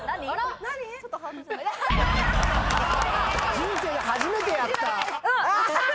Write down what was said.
人生で初めてやった。